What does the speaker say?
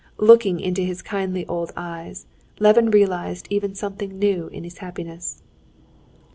Looking into his kindly old eyes, Levin realized even something new in his happiness.